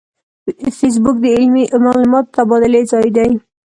فېسبوک د علمي معلوماتو د تبادلې ځای دی